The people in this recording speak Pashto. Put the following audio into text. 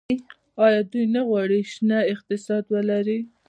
آیا دوی نه غواړي شنه اقتصاد ولري؟